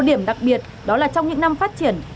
điểm đặc biệt đó là trong những năm phát triển